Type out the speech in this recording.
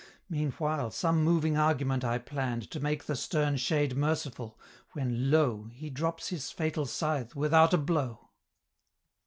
Meanwhile, some moving argument I plann'd, To make the stern Shade merciful, when lo! He drops his fatal scythe without a blow!